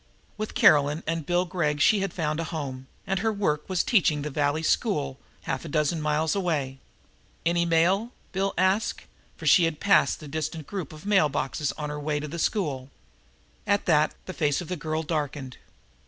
With Caroline and Bill Gregg she had found a home, and her work was teaching the valley school, half a dozen miles away. "Any mail?" asked Bill, for she passed the distant group of mail boxes on her way to the school. At that the face of the girl darkened.